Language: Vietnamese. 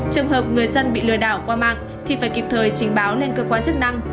trường hợp người dân bị lừa đảo qua mạng thì phải kịp thời trình báo lên cơ quan chức năng